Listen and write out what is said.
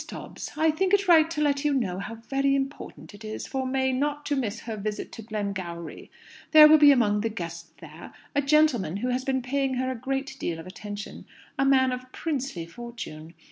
DOBBS, "I think it right to let you know how very important it is for May not to miss her visit to Glengowrie. There will be among the guests there a gentleman who has been paying her a good deal of attention a man of princely fortune.